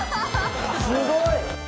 すごい。